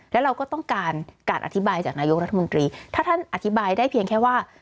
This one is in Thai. แล้วเราก็ต้องการการอธิบายจากนายกรัฐมนตรีถ้าท่านอธิบายได้เพียงแค่ว่า